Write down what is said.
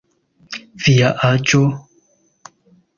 Via aĝo?